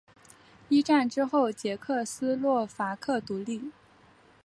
一战之后捷克斯洛伐克独立。